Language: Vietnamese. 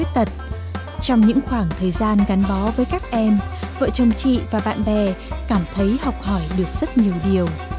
trong những khoảng thời gian gắn bó với các em vợ chồng chị và bạn bè cảm thấy học hỏi được rất nhiều điều